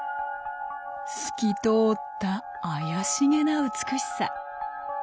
透き通った怪しげな美しさ。